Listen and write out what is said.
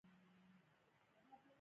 جينکۍ ځان له بنګړي خوښوي